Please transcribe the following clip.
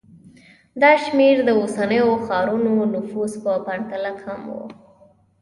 دا شمېر د اوسنیو ښارونو نفوس په پرتله کم و